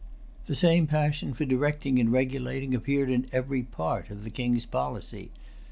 The same passion for directing and regulating appeared in every part of the King's policy.